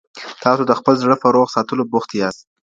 تاسو د خپل زړه په روغ ساتلو بوخت یاست.